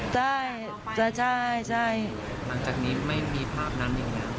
ใช่ใช่ใช่ใช่หลังจากนี้ไม่มีภาพนั้นยังไง